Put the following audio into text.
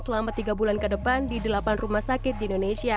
selama tiga bulan ke depan di delapan rumah sakit di indonesia